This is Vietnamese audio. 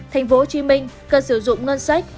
tp hcm cần sử dụng ngân sách